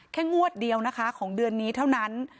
งวดเดียวนะคะของเดือนนี้เท่านั้น